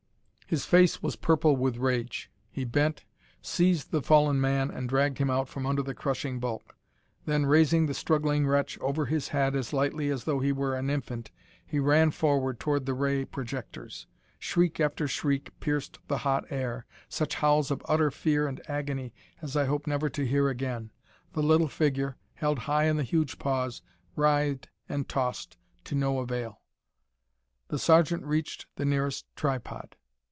His face was purple with rage. He bent, seized the fallen man and dragged him out from under the crushing bulk. Then, raising the struggling wretch over his head as lightly as though he were an infant, he ran forward, toward the ray projectors. Shriek after shriek pierced the hot air, such howls of utter fear and agony, as I hope never to hear again. The little figure, held high in the huge paws, writhed and tossed, to no avail. The sergeant reached the nearest tripod.